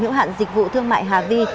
hiệu hạn dịch vụ thương mại hà vi